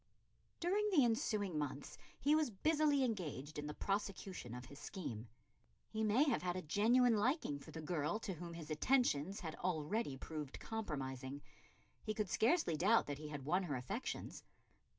During the ensuing months he was busily engaged in the prosecution of his scheme. He may have had a genuine liking for the girl to whom his attentions had already proved compromising; he could scarcely doubt that he had won her affections.